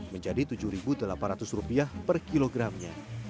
menjadi tujuh delapan ratus rupiah per kilogramnya